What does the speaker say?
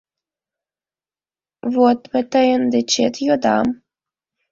Вот мый тый дечет йодам...